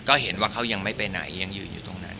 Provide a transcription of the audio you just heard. ก็เห็นว่าเขายังไม่ไปไหนยังยืนอยู่ตรงนั้น